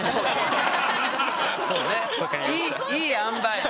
いいいいあんばい。